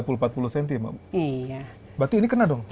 berarti ini kena dong